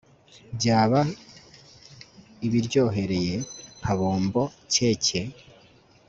byaba ibiryohereye nka bombo keke